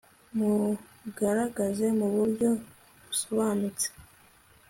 Mugaragaze mu buryo busobanutse